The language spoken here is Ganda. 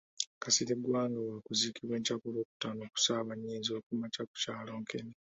Kasirye Gwanga wakuziikwa enkya ku Lwokutaano ku ssaawa nnya ez'okumakya ku kyalo Nkene.